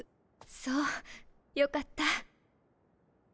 そうよかった。